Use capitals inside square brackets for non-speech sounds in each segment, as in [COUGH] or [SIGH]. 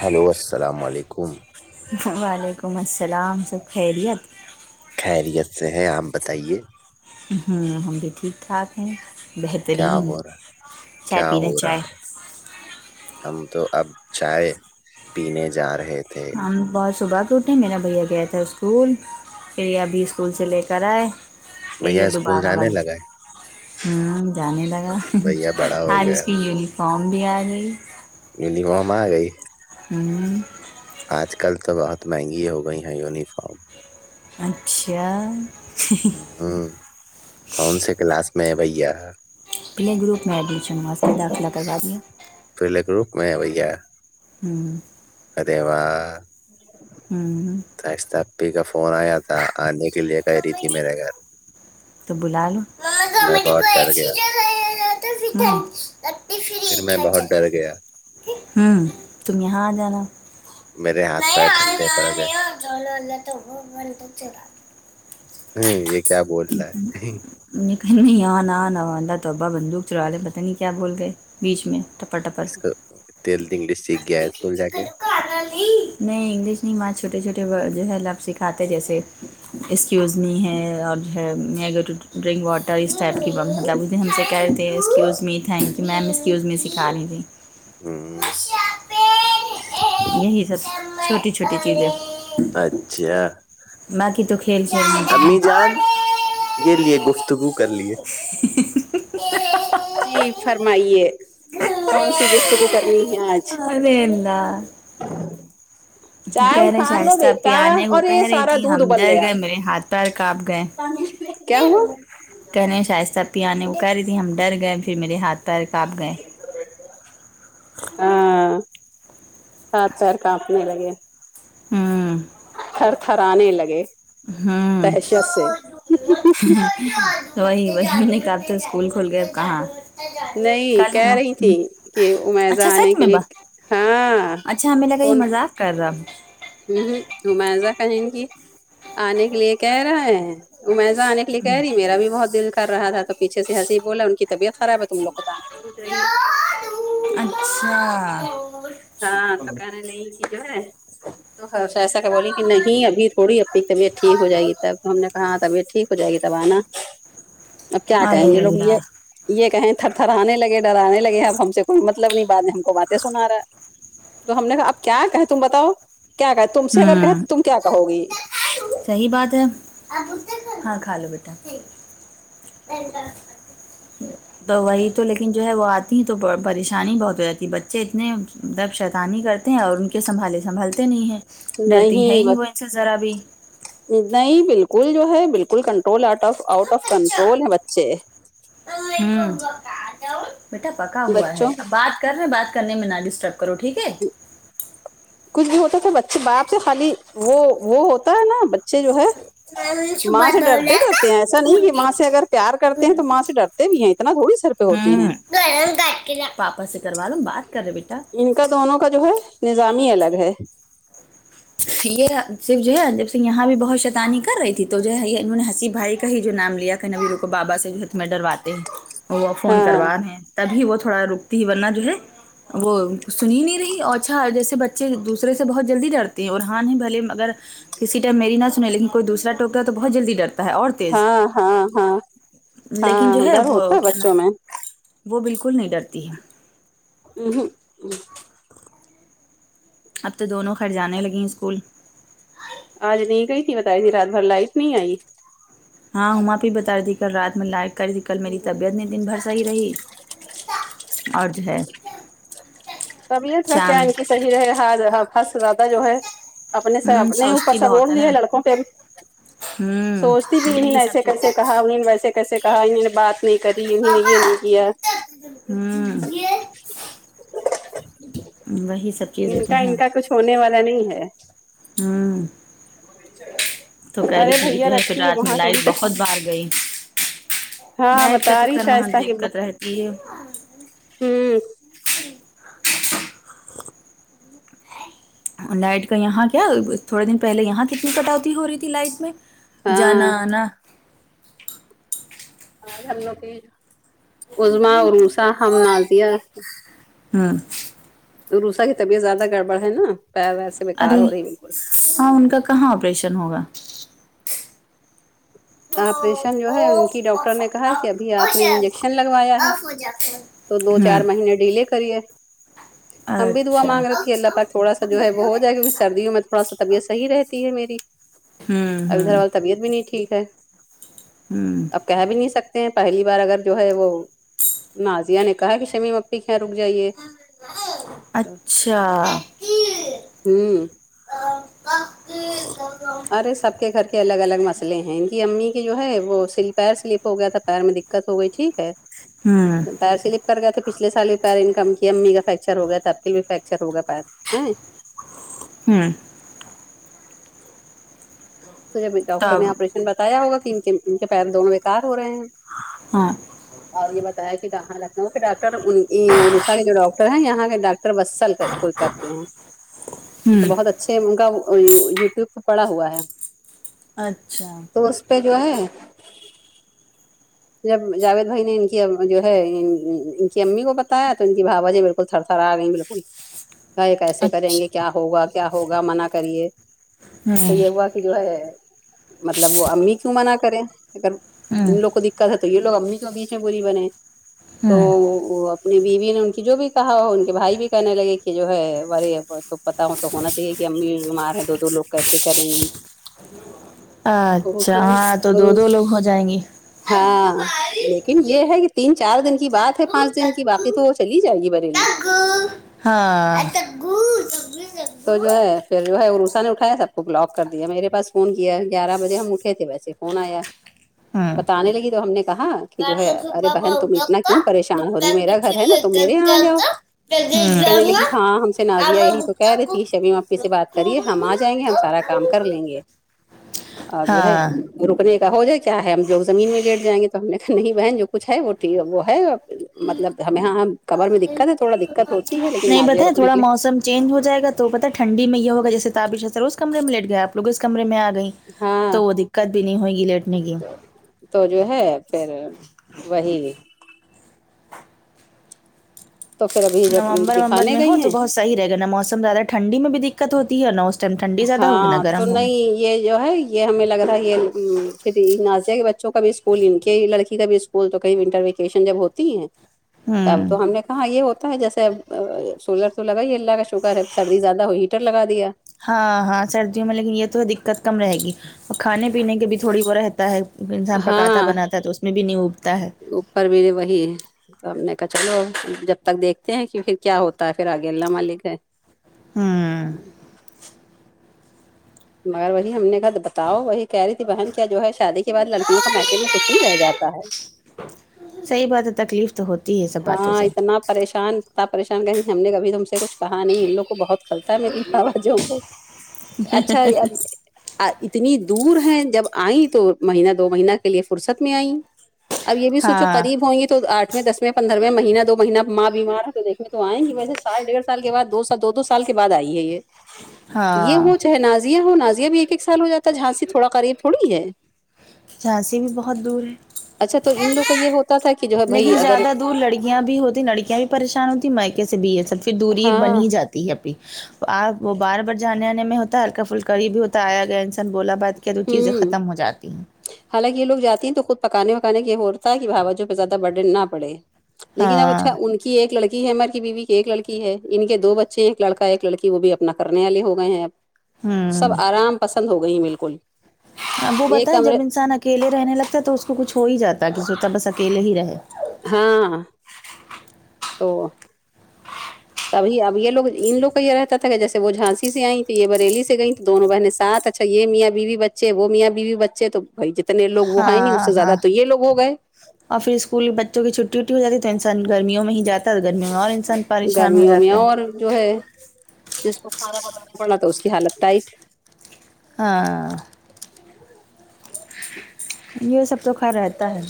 hello السلام علیکم وعلیکم السلام سب خیریت خیریت سے ہیں ہم بتائیے ہوں ہم بھی ٹھیک ٹھاک ہیں کیا بہترین ہو رہا چائے کیا پی رے ہو رہا چائے ہے ہم تو اب چائے پینے جا رہے تھے ہم بہت صبح کو اٹھے میرا بھیا گیا تھا اسکول پھر ابھی اسکول سے لے کر آئے یہی بھیا ہے اسکول دوبارہ جانے والی لگا ہے ہوں جانے لگا بھیا بڑا ہو آج گیا اس کی یونیفارم بھی آ گئی یونیفارم آ گئی ہوں آج کل تو بہت مہنگی ہو گئی ہیں یونیفارم اچچھیا امم کون سے کلاس میں ہے بھیا پلے گروپ میں ایڈمیشن ہوا اس کا داخلہ کروا دیا پلے گروپ میں ہے بھیا امم ارے واہ ہاں شائستہ آپی کا فون آیا تھا آنے کے لیے کہ رہی تھی میرے گھر تو بلا لو میں بہت ڈر گیا پھر میں بہت [UNINTELLIGIBLE] ڈر گیا امم تم یہاں آو ذرا میرے ہاتھ پیر ٹھنڈے پڑ گئے [UNINTELLIGIBLE] امم یہ کیا بول رہا ہے نے کہ نہیں یہاں نہ نوانندا تو ابا بندوق چرالے پتہ نہیں کیا بول گئے بیچ میں تب اس ٹیلتی انگلش سیکھ گیا ہے اسکول جا کے نہیں انگلش نہیں ما چھوٹے چھوٹے جو ہے لفظ سکھاتے جیسے ایس کیوز می ہے اور جو ہے میگو ڈرنک واٹر اس ٹائپ کی بات ختم پھر ہم سے کہہ رہ تھے excuse me thank you ma'am excuse me سکھا رہی تھی امم یہی سب چھوٹی چھوٹی چیزیں اچھا باقی تو کھیل کھیل میں تو امی ہم- جان یہ لیے گفتگو کر لیے جی فرمائیے کون سی گفتگو کرنی ہے آج ارے اللہ چائے کہہ رہے اٹھالو شائستہ پی بیٹا آنے کو اورے کہہ یہ رہی سارا تھی دودھ ہم ابل ڈر گیا گئے میرے ہاتھ پیر کانپ گئے پانی کیا ہوا کہنے ہیں شائستہ آپی آنے کو کہہ رہی تھی ہم ڈر گئے پھر میرے ہاتھ پیر کانپ گئے ہاں ہاتھ پیر کانپنے لگے امم تھر تھرانے لگے ہاں دہشت سے وہی وہی نہیں کرتے اسکول کھل گیا اب کہا کل نہیں کہہ ہوما رہی تھی کہ عمیزہ اچھا آنے سچ کے میں لیے با ہاں اچھا ہمیں لگا یہ مذاق کر رہا امم رمیزہ کہے گی آنے کے لیے کہہ رہا ہیں رومیزہ آنے کے لیے کہہ رہی میرا بھی بہت دل کر رہ تھا تو پیچھے سے ہنسی بولا ان کی طبیعت خراب ہے تم لوگ کو آنے خود رہی ہے اچھا ہاں تو کہنے لگی کی جو ہے ہا شایستہ کیا بولی کی نہیں ابھی تھوڑی اپنی طبیعت ٹھیک ہو جائے گی تب تو ہم نے کہا ہاں طبیعت ٹھیک ہو جائے گی تب آنا اب کیا کہیں ارے گے لوگ مجھے اللہ یے کہیں تھر تھرانے لگے ڈرانے لگے اب ہم سے کوئی مطلب نہیں بعد میں ہم کو باتیں سنا رہا ہے تو ہم نے کہا اب کیا کہے تم بتاؤ کیا کہے تم سے اگر کہے ہوں تم کیا کہو گی صحیح بات ہے ہاں کھا لو بیٹا [UNINTELLIGIBLE] دوائ تو لیکن جو ہے وہ آتی ہیں تو ب پریشانی بہت ہو جاتی ہے بچے اتنے مطلب شیطانی کرتے ہیں اور ان کے سنبھالے سنبھالتے نہیں ہیں ڈرتی ہے نہیں ہی بس وہ ان سے ذرا بھی نہیں بالکل جو ہے بالکل control out of out of control ہے بچے ہوں بیٹا پکا ہوا ہے بچوں اب بات کرے بات کرنے میں نا ڈسٹرب کرو ٹھیک ہے کچھ بھی ہوتا تھا بچے باپ سے خالی وہ وہ ہوتا ہے نا بچہ چے جو ہے ماں سے ڈرتے ڈرتے ہیں ایسا نہیں کی ماں سے اگر پیار کرتے ہیں تو ماں سے ڈرتے بھی ہیں اتنا تھوڑی سر پے ہوں پاپا سے کروا لو بات کر رہے بیٹا تو دونوں کا جو ہے نظام ہی الگ ہے پھر صرف جو ہے جب سے یہاں بھی بہت شیطانی کر رہی تھی تو جو ہے انہوں نے حسیب بھائی کا ہی جو نام لیا کن ابی رکو بابا سے ہی تمہیں ڈرواتے ہیں وہ فون ہاں کروا رہے تبھی وہ تھوڑا رک تی ہے ورنا جو ہے وہ سن ہی نہیں رہی اوچھا جیسے بچے دوسرے سے بہت جلدی ڈرتے تے اور ہاں نہیں بھلے مگر کسی ٹائم میری نا سنیں لیکن کوئی دوسرا ٹوکتا تو بہت جلدی ڈر تا ہے اور تیز ہاں ہاں ہاں لیکن جو ہاں ہے ڈر وہ ہوتا کیا نا بچوں میں وہ بالکل نہیں ڈرتی ہے وں ہوں اب تو دونوں خیر جانے لگیں اسکول آج نہیں گئی تھی بتا رہی تھی رات بھر لائٹ نہیں آئی ہاں ہما آپی بتا رہی تھی کل رات میں لائق کر ری تھی کل میری طبیعت نہیں دن بھر صحیح رہی اور جو ہے طبیعت کا شام کیا ان کی صحیح رہ ہاں حد سے زیادہ جو ہے اپنے سے ہوں اپنے اوپر سوچتی سب اوڑ بہت ہے نا لیے لڑکوں پے ابھی ہوں سوچتی تھی انہیں نے یہی سب ایسے کیسے چیز کہا انہیں نے ویسے کیسے کہا انہیں نے بات نہیں کرلی انہیں یہ نہیں کیا ہوں وہی سب چیزیں ان تو کا ہیں ان کا کچھ ہونے والا نہیں ہے ہوں تو کہہ رہی ارے تھی کہ بھیا جو ہے پھر رکھیے رات میں وہاں لائٹ تھوڑی تش بہت بار گئی ہاں میں کا تو بتا رہی خیر وہاں شائستہ کی ب دقت رہتی ہے ہوں لائٹ کا یہاں کیا تھوڑے دن پہلے یہاں کتنی کٹوتی ہو رہی تھی لائٹ میں ہاں جانا آنا آج ہم لوگ گئے عظمی عروسہ ہم نازیہ ہوں عروسہ کی طبیعت زیادہ گڑبڑ ہے نا پیر ویسا ارے ہاں ان کا کہاں آپریشن ہوگا آپریشن جو ہے ان کی ڈاکٹر نے کہا کہ ابھی آپ نے انجیکشن لگوایا ہے تو دو چار ہوں مہینے ڈیلے کریے ہم بھی دعا مانگ رہے اچھا تھ کہ اللہ پاک تھوڑا سا جو ہے وہ ہو جائے کیونکہ سردیوں میں تھوڑا سا طبیعت صحیح رہتی ہے میری ہوں اب ادھر ہوں وال طبیعت بھی نہیں ٹھیک ہے ہوں اب کہہ بھی نہیں سکتے ہیں پہلی بار اگر جو ہے وہ نازیہ نے کہا کہ شمیم ٹھیک ہے رک جائیے اچھا ہوں ارے سب کے گھر کے الگ الگ مسئلے ہیں ان کی امی کے جو ہے وہ سا پیر سلپ ہو گیا تھا پیر میں دکھ ہو گئی ٹھیک ہے ہوں پیر سلپ کر گے تو پچھے سال بھی پیر انکم کیا امی کا فریکچر ہو گیا تھا آب کل بھی فریکچر ہوگا پیر ہمم تو جب ڈاکٹر نے تب آپریشن بتایا ہوگا کہ ان کے ان کے پیر دونوں بےکار ہو رہے ہیں ہاں اور یہ بتایا کہ یہاں لکھنؤ کے ڈاکٹر ایسا کے ڈاکٹر ہیں یہاں کے ڈٹر باسل کوئی کرتے ہیں ہوں تو بہت اچ اچھے ان کا یوٹیوب پہ پڑا ہوا ہے اچھا تو اس پہ جو ہے جب جاوید بھائی نے ان کی جو ہے ان کی امی کو بتایا تو ان کی بھاوجے تھر تھر آ گئی بالکل گائے کیسے کریں گے اچھا کیا ہوگا کیا ہوگا منع کریے تو ہوں یہ ہوا کہ جو ہے مطلب وہ امی کیوں منع کریں اگر ہوں ان لوگ کو تو یہ لوگ امی کے بیچ میں بری بنے تو ہوں اپنی بیوی نے ان کی جو بھی کہا ہو ان کے بھائی بھی کہنے لگے کہ جو ہے [UNINTELLIGIBLE] بے پتا ہوں تو ہونا چاہیے کہ امی بیمار ہے دو دو لوگ کیسے کریں گی اور اچھا ہاں تو دو دو لوگ ہو جائیں گی ہاں لیکن یہ ہے کہ تین چار دن کی بات ہے پانچ دن کی باقی تو وہ چلی جائے گی بریلی ہاں تو جو ہے پھر جو ہے روسا نے اٹھایا سب کو بلاک کر دیا میرے پاس فون کیا ہے گیارہ بجے ہم اٹھے تھے ویسے فون آیا بتانے لگی تو ہم نے کہا جو ہے ارے بہن تم اتنا کیوں پریشان ہو رہی میرا گھر ہے نا تم میرے یہاں آ جاؤ کہنے لگی ہاں ہم سے نازیا یہی تو کہہ رہی تھی شمیم اپی سے بات کریے ہم آ جائیں گے ہم سارا کام کر لیں گے آ جو ہے ہاں رکنے کا ہو جائے کیا ہے ہم لوگ زمین میں لیٹ جائیں گے تو ہم نے کہا نہیں بہن جو کچھ ہے وہ وہ ہے مطلب ہمیں یہاں کبر میں دقت ہے تھوڑا دقت ہو نہیں بتاے تھوڑا موسم چینج ہو جائے گا تو پتا ٹھنڈی میں یہ ہوگا جیسے تابرش ار اسمے میں لیٹ گئے آپ لو اس کمرے میں آ گئیں ہاں تو وہ دقت بھی نہیں ہوئے گی لیٹنے کی تو جو ہے پھر وہی تو پھر ابھی جب نومبر وومبر دکھانے میں ہو گئی تو ہیں بہت صحیح رہے گا نا موسم زیادہ ٹھنڈی میں بھی دقت ہوتی ہے نا جب ٹھنڈی زیادہ ہوگ نا ہاں تو گرم ہو نہیں یہ جو ہے یہ ہمیں لگ رہا یہ نازیہ کے بچوں کا بھی اس انکے لڑکی کا بھی اسکول تو ک ونٹر ویکیشن جب ہوتی ہے تب ہوں تو ہم نے ہاں یہ ہوتا ہے جیسے اب سولر تو لگا ہی اللہ کا شکر ہے اب سردی زیادہ ہو ہیٹر لگا دیا ہاں ہاں سردیوں میں لیکن یہ تو دقت کم رہے گی اور کھانے پینے کے بھی تھوڑی وہ رہتا ہے انسان پکاتا ہاں بناتا ہے تو اس میں بھی نہیں اوبتا ہے اوپر میرے وہی ہے تو ہم نے کہا چلو جب تک دیکھتے ہیں کہ پھر کیا ہوتا ہے پھر آگے اللہ مالک ہے ہوں مگر وہی ہم نے کہا تو بتاؤ وہی کہہ رہی تھی بہن کیا جو ہے شادی کے بعد لڑکیوں کا مئکے میں کچھ نہیں رہ جاتا ہے صحیح بات ہے تکلیف تو ہو ہاں اتنا پریشان انا پریشان کہ ہم نے کبھی تم سے کچھ کہا نہیں ان لوگ بہت کھلتا ہے میری بھاوجوں کو اچھا یہ اب ا اتنی دور ہیں جب ائیں تو مہینہ دو مہینہ کے لیے فرصت میں آئیں اب یہ بھی سوچو ہاں قریب ہوں گی تو آٹھ میں دس میں پندروے مہینہ دو مہینہ ماں بیمار ہے تو دیکھنے تو آئیں گی ویسے سال ڈیڑھ سال کے بعد دو سال دو دو سال کے بعد آئی ہے یہ یہ ہاں ہو چاہے نازیہ ہو نازیہ بھی ایک ایک سال ہو جاتا ہے جھانسی تھوڑا قریب تھوڑی ہے جھانسی بھی بہت دور ہے اچھا تو ان لوگ کا یہ ہوتا تھا کہ جو ہے لیکن بھائی اگر زیادہ دور لڑکیاں بھی ہوتی لڑکیاں بھی پریشان ہوتی مائکے سے بھی یہ سب پھر دوری ایک ہاں بن ہی جاتی پھی پھی آپ وہ بار بار جانے آنے میں ہوتا ہے ہلکا پھلکا بھی ہوتا آیا گیا ان ن بولا بات کیا تو چیزیں ہوں ختم ہو جاتی ہیں حالانکہ یہ لوگ جاتی ہیں تو خود پکانے وکانے یہ ہوتا ہے کہ بھاوجوں پہ زیادہ برڈن نہ پڑے لیکن اب ہاں اچھا ان کی ایک لڑکی ہے عمر کی بیوی کی ایک لڑکی ہے ان کے دو بچے ایک لڑکا ہے ایک لڑکی وہ بھی اپنا کرنے والے ہو گئے ہیں اب ہوں آرام پسند ہو گئیں بالکل وہ ایک بتائیں کمرے جب انسان اکیلے رہنے لگتا ہے تو اس کو کچھ ہو ہی جاتا ہے کہ سوچتا بس اکیلے ہی رہے ہاں تو تب ہی اب یہ لوگ ان لوگ کا یہ رہتا تھا کہ جیسے وہ جھانسی سے آئیں تو یہ بریلی سے گئیں تو دونوں بہن ساتھ اچھا یہ میاں بیوی بچے وہ میاں بیوی بچے تو بھائی جتنے لوگ وہ ہیں نہیں اس ہاں سے ہاں زیادہ تو یہ لوگ ہو گئے اور پھر اسکول بچوں کی چھٹی وٹی ہو جاتی تو انسان گرمیوں میں ہی جا تا گرمیوں میں اور انسان پریشان ہو گرمیوں میں جاتا ہے اور جو ہے جس کو کھانا بنانا پڑا تھا اس کی حالت ٹائٹ ہاں یوسف تو کا رہتا ہے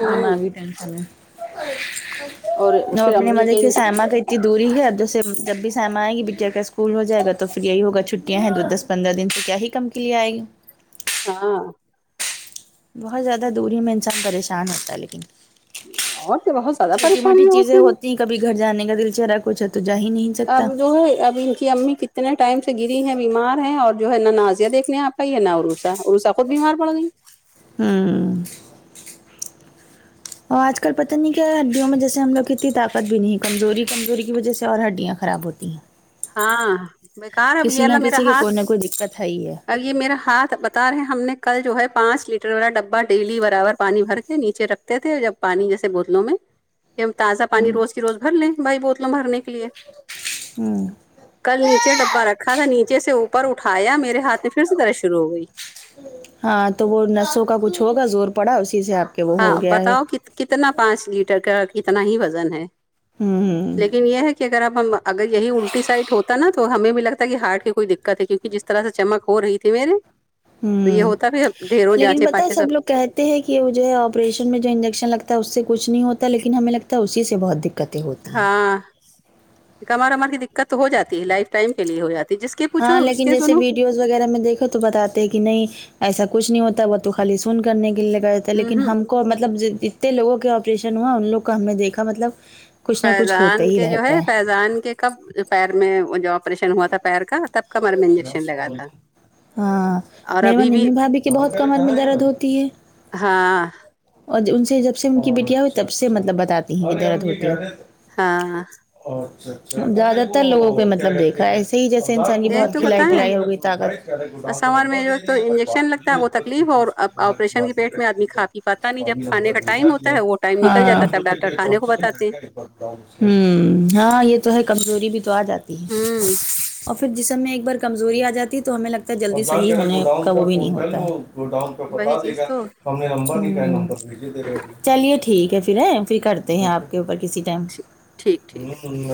ہوں دمگی ٹینشن اور پھر میں [UNINTELLIGIBLE] امی کے ملک سائما کی اتنی دوری ہے اب جیسے جب بھی سائما آئیں گی بیٹیا کا اسکول ہو جائے گا تو فر یہی ہوگا چھٹیاں ہیں دو دس پندرہ دن سے کیا ہی کم کے لیے آئے گی ہاں بہت زیادہ دوری میں انسان پریشان ہوتا ہے لیکن اورتین بہت زیادہ چھوٹی پریشان موٹی یہ ہوتی چیزیں ہیں کبھی گھر جانے کا دل چہرا کچ ہے تو جا ہی نہیں اب سکتا جو ہے اب ان کی امی کی اتنے ٹائم سے گری ہیں بیمار ہیں اور جو ہے نہ نازیہ دیکھنے آپاۓ ہے نہ عروسا عروسا خود بیمار پڑ گئی ہوں اور آج کل پتہ نہیں کیا ہے ہڈیوں میں جیسے ہم لوگ اتنی طاقت بھی نہیں کمزوری کمزوری کی وجہ سے اور ہڈیاں خراب ہوتی تی ہے ہاں بیکر اب یہ لو میرا کسی کے کوئی نہ کوئی دقت ہے ہی ہے ہاتھ یہ میرا ہاتھ بتا رہے ہم نے کل جو ہے پانچ لیٹر والا ڈبا ڈیلی برابر پانی بھر کے نیچے رکھ تھے جب پانی جیسے بوتلوں میں کہ ہم تازہ پانی ہوں روز کی روز بھر لیں بھائی بوتلوں بھرنے کے لیے [INAUDIBLE] ہوں کل نیچے ڈبہ رکھا تھا نیچے سے اوپر اٹھایا میرے ہاتھ میں پھر سے درد شرو ہو گئی ہم ہاں تو وہ نسوں کا کچھ ہوگا زور پڑا اسی سے آپ کے وہ ہاں ہو گیا ہے بتاؤ کت کتنا پانچ لیٹر کا کتنا ہی وزن ہے ہوں ہوں لیکن یہ ہے کہ اگر اب ہم اگر یہی الٹی سائٹ ہوتا نا تو تو ہمیں بھی لگتا ہے کہ ہارٹ کی کوئی دقت ہے کیونک جس طرح سے چمک ہو رہی تھی میرے تو یہ ہوں ہوتا ہے بھی اب ڈھیروں لیکن جاچے پتہ ہے پاچے سب لوگ کہتے ہیں کہ وہ جو ہے آپریشن میں جو انجیکشن لگتا ہے اس سے کچھ نہیں ہوتا لیکن ہمیں لگتا ہے اسی سے بہت دق ہاں کمار امار کی دقت تو ہو جاتی ہے لائف ٹائم کے لیے ہو جات ہاں لیکن جیسے بی نیوز وغیرہ میں دیکھو تو بتاتے کہ نہیں ایسا کچھ نہیں ہوتا وہ تو خالی سن کرنے کے لگا لیکن ہ ہم کو مطلب جت جتے لوگوں کے آپریشن ہوا ان لوگ کو ہم نے دیکھا مطلب کچھ نہ کچھ ہوتا فیضان ہی کے جو ہے رہتا فیضان کے کب پیر میں جو آپریشن ہوا تھا پیر کا تب کمر میں انجیکشن لگا تھا ہاں اور میرے وہاں ابھی بھی ممی بھابھی کے بہت کمر میں درد ہوتی ہے ہاں اور ان سے جب سے ان کی بیٹیاں ہوئی تب سے مطلب بتاتی ہیں یہ درد ہوتی ہے ہاں ہاں زیادہ تر لوگوں کے مطلب دیکھا ہے ایسے ہی جیسے ایک بہت تو کھلائی بتائیں پلائی ہو گئی تکت سمر میں جو ایک تو انجیکشن لگتا ہے وہ تکلیف اور اب آپریشن کے پیٹ میں آدمی کھا پی پاتا نہیں جب کھانے کا ٹائم ہوتا ہے وہ ٹائم نکل جاتا ہاں ہے تب ڈاکٹر کھانے کو بتاتے ہیں [UNINTELLIGIBLE] ہوں ہاں یہ تو ہے کمزوری بھی تو آ جاتی ہے ہوں اور پھر جسم میں ایک بار کمزوری آ جاتی تو ہمیں لگتا ہے جلدی صحیح ہونے کا وہ بھی نہیں ہوتا ہے گو ڈاؤن پہ وہی بتا دے چیز گا تو چلیے ٹھیک ہے پھر ہے پھر کرتے ہیں آپ کے اوپر کسی ٹھیک ٹھیک [UNINTELLIGIBLE] ٹائم